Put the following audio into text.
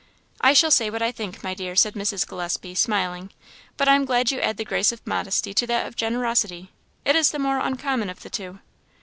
"I shall say what I think, my dear," said Mrs. Gillespie, smiling; "but I am glad you add the grace of modesty to that of generosity; it is the more uncommon of the two."